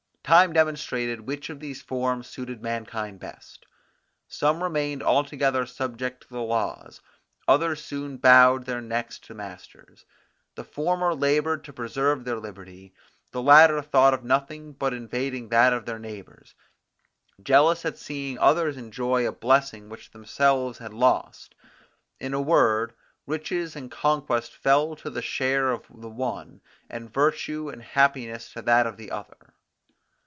Time demonstrated which of these forms suited mankind best. Some remained altogether subject to the laws; others soon bowed their necks to masters. The former laboured to preserve their liberty; the latter thought of nothing but invading that of their neighbours, jealous at seeing others enjoy a blessing which themselves had lost. In a word, riches and conquest fell to the share of the one, and virtue and happiness to that of the other.